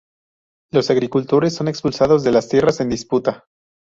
Los agricultores son expulsados de las tierras en disputa.